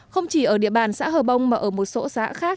không chỉ ở địa bàn xã hờ bông mà ở một số xã khác